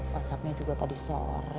whatsappnya juga tadi sore